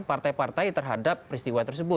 partai partai terhadap peristiwa tersebut